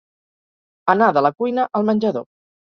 Anar de la cuina al menjador.